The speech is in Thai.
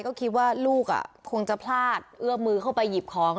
ก็คิดว่าลูกคงจะพลาดเอื้อมมือเข้าไปหยิบของ